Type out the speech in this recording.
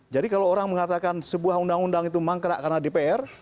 jadi kalau orang mengatakan sebuah undang undang itu mangkrak karena dpr